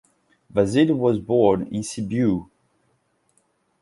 Vasile was born in Sibiu.